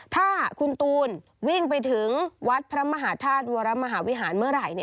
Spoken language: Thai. ถ้าคุณตูนวิ่งไปถึงวัดพระมหาธาตุวรมหาวิหารเมื่อไหร่